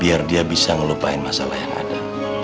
biar dia bisa ngelupain masalah yang ada